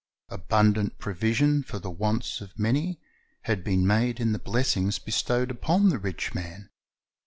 ^ Abundant provision for the wants of many had been made in the blessings bestowed upon the rich man.